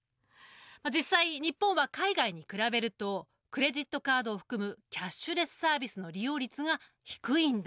実際日本は海外に比べるとクレジットカードを含むキャッシュレスサービスの利用率が低いんだ。